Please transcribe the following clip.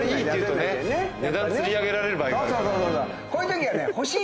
値段釣り上げられる場合があるから。